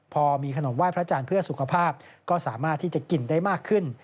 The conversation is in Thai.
พอมีขนมไห้พระจันทร์เพื่อสุขภาพก็สามารถที่จะกินได้มากขึ้น